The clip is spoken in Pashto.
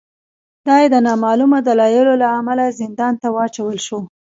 دای د نامعلومو دلایلو له امله زندان ته واچول شو.